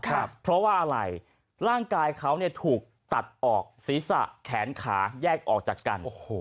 เพราะว่าอะไรร่างกายเขาเนี่ยถูกตัดออกศีรษะแขนขาแยกออกจากกันโอ้โห